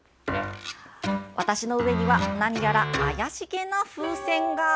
私の上には何やら怪しげな風船が。